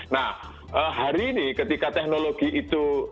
nah hari ini ketika teknologi itu